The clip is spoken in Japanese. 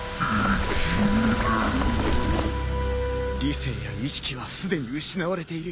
理性や意識はすでに失われている。